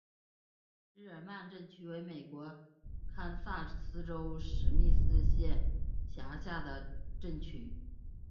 日耳曼镇区为美国堪萨斯州史密斯县辖下的镇区。